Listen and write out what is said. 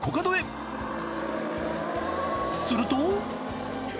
すると。